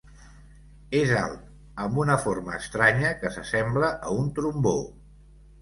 És alt, amb una forma estranya que s'assembla a un trombó.